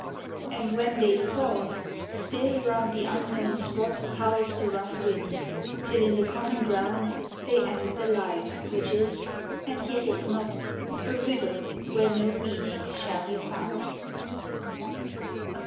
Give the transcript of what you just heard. And when they fall, still round the unknown spot Howls the rough wind, till in the common ground They end the life which is and yet is not, A riddle where no meaning shall be found.